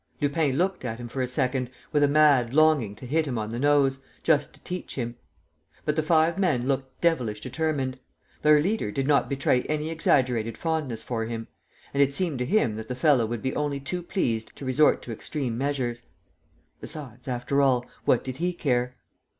Lupin looked at him, for a second, with a mad longing to hit him on the nose, just to teach him. But the five men looked devilish determined. Their leader did not betray any exaggerated fondness for him; and it seemed to him that the fellow would be only too pleased to resort to extreme measures. Besides, after all, what did he care?